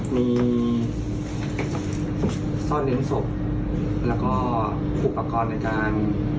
มีซ่อนเล้นศพแล้วก็อุปกรณ์ในการ